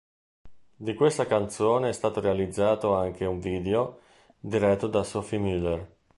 Di questa canzone è stato realizzato anche un video diretto da Sophie Muller.